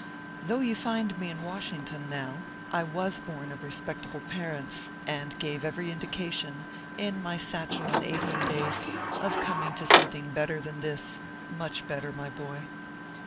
Though you find me in Washington now, I was born of respectable parents, and gave every indica tion, in my satchel and apron days, of coming to something better than this, much better, my boy.